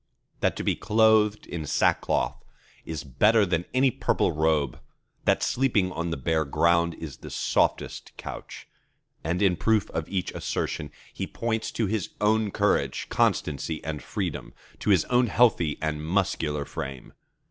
That to be clothed in sackcloth is better than any purple robe; that sleeping on the bare ground is the softest couch; and in proof of each assertion he points to his own courage, constancy, and freedom; to his own healthy and muscular frame.